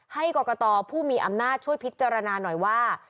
ให้กรกตผู้มีอำนาจช่วยพิจารณาหน่อยว่า